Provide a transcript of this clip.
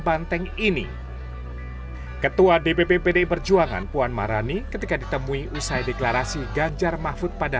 banteng ini ketua dpp pdi perjuangan puan marani ketika ditemui usai deklarasi ganjar mahfud pada